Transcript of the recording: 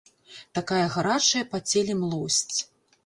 Такая гарачая па целе млосць.